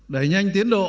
đẩy nhanh tiến độ